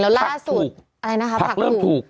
แล้วล่าสุดอะไรนะคะผักเริ่มถูก